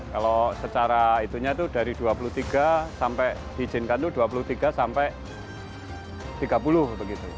kalau secara itunya itu dari dua puluh tiga sampai diizinkan itu dua puluh tiga sampai tiga puluh begitu